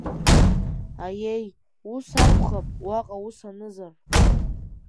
Аиеи, ус акәхап, уаҟа ус анызар.